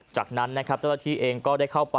จากนั้นนะครับเจ้าหน้าที่เองก็ได้เข้าไป